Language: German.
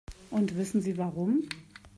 Und wissen Sie warum?